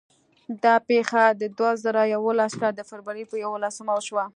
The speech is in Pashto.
دا پېښه د دوه زره یولسم کال د فبرورۍ په یوولسمه وشوه.